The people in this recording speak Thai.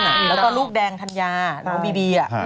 แล้วก็ลูกแดงธัญญาน้องบีบี